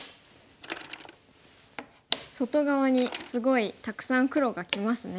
外側にすごいたくさん黒がきますね。